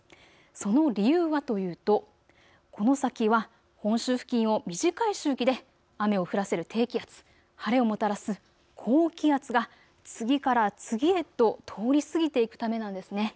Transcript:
その理由はというとこの先は本州付近を短い周期で雨を降らせる低気圧、晴れをもたらす高気圧が次から次へと通り過ぎていくためなんですね。